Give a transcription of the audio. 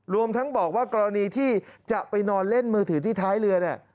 รวมทั้งบอกว่ากรณีที่จะไปนอนเล่นมือถือที่ท้ายเรือเนี่ย